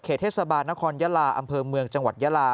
เทศบาลนครยาลาอำเภอเมืองจังหวัดยาลา